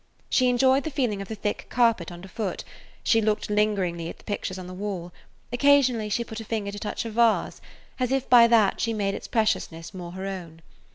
She enjoyed the feeling of the thick carpet underfoot; she looked lingeringly at the pictures on the wall; occasionally she put a finger to touch a vase as if by that she made its preciousness more her own.